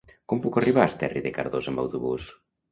Com puc arribar a Esterri de Cardós amb autobús?